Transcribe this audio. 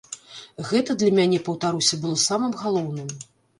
Гэта для мяне, паўтаруся, было самым галоўным.